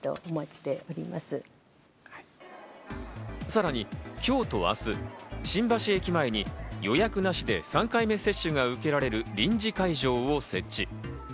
さらに今日と明日、新橋駅前に予約なしで３回目接種が受けられる臨時会場を設置。